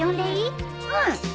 うん！